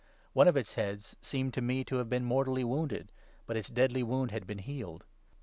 One of its heads 3 seemed to me to have been mortally wounded, but its deadly wound had been healed.